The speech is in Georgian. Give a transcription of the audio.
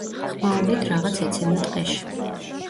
ხმაურით რაღაც ეცემა ტყეში.